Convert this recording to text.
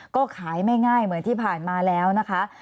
ก็ขายไม่ง่ายเหมือนที่ผ่านมาแล้วนะคะ